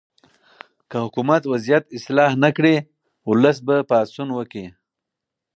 که حکومت وضعیت اصلاح نه کړي، ولس به پاڅون وکړي.